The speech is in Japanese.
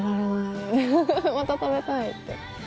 フフフまた食べたいって。